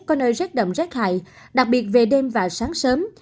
có nơi rét đậm rét hại đặc biệt về đêm và sáng sớm